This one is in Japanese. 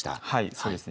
そうですね。